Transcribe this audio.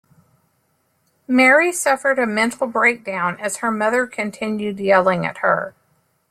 Mary suffered a mental break-down as her mother continued yelling at her.